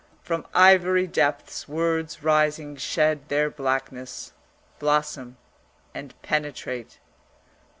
From ivory depths words rising shed their blackness, blossom and penetrate.